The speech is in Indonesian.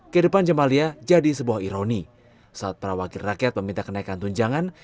kehidupan jamalia jadi sebuah ironi saat para wakil rakyat meminta kenaikan tunjangan